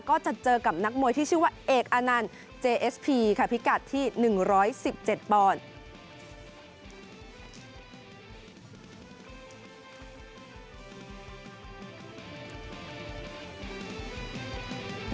ก็จะเจอกับนักมวยที่ชื่อว่าเอกอานันต์เจเอสพีค่ะพิกัดที่๑๑๗ปอนด์